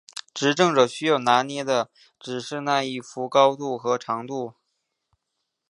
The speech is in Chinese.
执政者需要拿捏的只是那一横的高度与长度。